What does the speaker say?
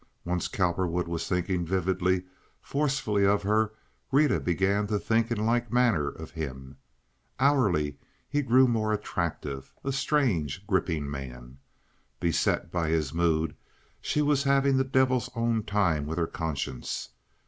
Once Cowperwood was thinking vividly, forcefully, of her, Rita began to think in like manner of him. Hourly he grew more attractive, a strange, gripping man. Beset by his mood, she was having the devil's own time with her conscience.